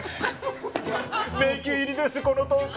迷宮入りですこのトーク。